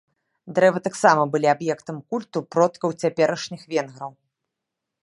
Дрэвы таксама былі аб'ектам культу продкаў цяперашніх венграў.